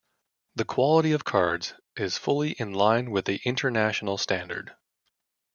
The quality of cards is fully in line with the international standard.